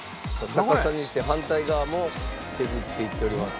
逆さにして反対側も削っていっております。